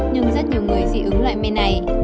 nhưng rất nhiều người dị ứng loại men này